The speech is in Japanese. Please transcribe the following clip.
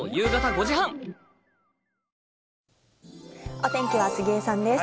お天気は杉江さんです。